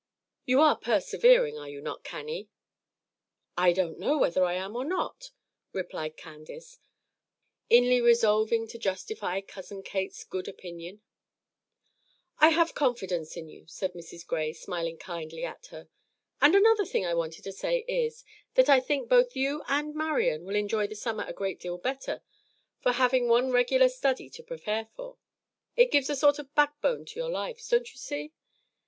You are persevering, are you not, Cannie?" "I don't know whether I am or not," replied Candace, inly resolving to justify Cousin Kate's good opinion. "I have confidence in you," said Mrs. Gray, smiling kindly at her. "And another thing I wanted to say is, that I think both you and Marian will enjoy the summer a great deal better for having one regular study to prepare for. It gives a sort of backbone to your lives, don't you see?